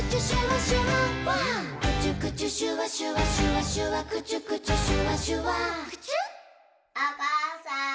おかあさん。